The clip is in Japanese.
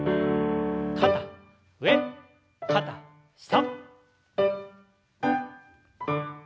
肩上肩下。